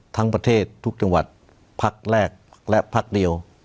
ทั้งประเทศทุกจังหวัดพักแรกและพักเดียว